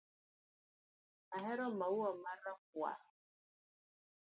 Ahero maua ma rakwar